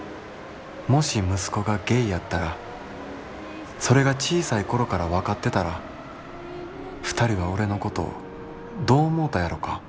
もし息子がゲイやったらそれが小さい頃から分かってたら二人は俺のことどう思うたやろか？」。